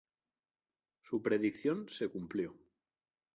Su predicción se cumplió.